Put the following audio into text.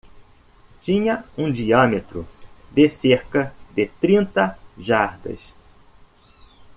Tinha um diâmetro de cerca de trinta jardas.